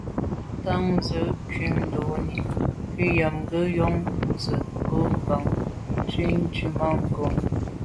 Tà nse’ nkum ndonni, ngùnyàm ke’ yon njen ngo’ bàn nzwi tswemanko’.